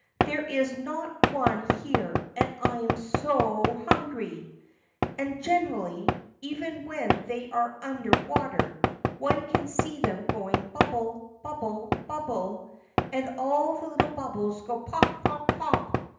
There is not one here and I am so hungry; and generally, even when they are under water, one can see them going bubble, bubble, bubble, and all the little bubbles go pop! pop! pop!"